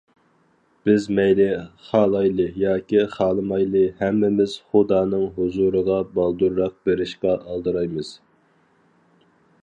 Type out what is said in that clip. بىز مەيلى خالايلى ياكى خالىمايلى، ھەممىمىز خۇدانىڭ ھۇزۇرىغا بالدۇرراق بېرىشقا ئالدىرايمىز.